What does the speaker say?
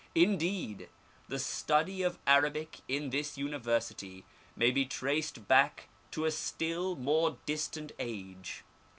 Indeed, the study of Arabic in this Uni versity may be traced back to a still more distant age.